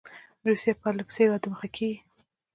روسیه پر له پسې را دمخه کیږي.